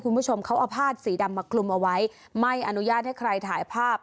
คุณผู้ชมเขาเอาผ้าสีดำมาคลุมเอาไว้ไม่อนุญาตให้ใครถ่ายภาพ